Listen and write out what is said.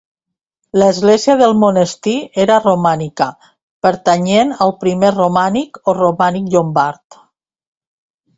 L'església del monestir era romànica, pertanyent al primer romànic o romànic llombard.